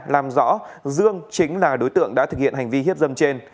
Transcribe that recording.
làm rõ dương chính là đối tượng đã thực hiện hành vi hiếp dâm trên